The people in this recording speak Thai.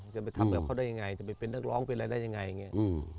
จะไปทำแบบเขาได้ยังไงจะไปเป็นนักร้องเป็นอะไรได้ยังไงอย่างนี้